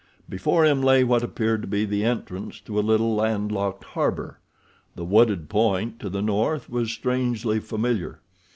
Before him lay what appeared to be the entrance to a little, landlocked harbor. The wooded point to the north was strangely familiar.